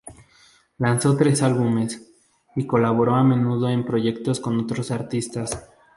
Lanzó tres álbumes, y colaboró a menudo en proyectos con otros artistas.